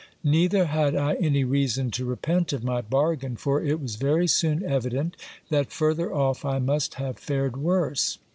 Neither had I any reason to repent of my bargain ; for it was very soon evident that further off I must have fared worse.